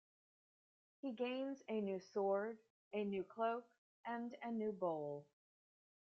He gains a new sword, a new cloak, and a new bowl.